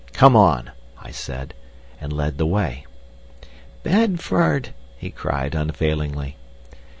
"Come on!" I said, and led the way. "Bedford!" he cried unavailingly.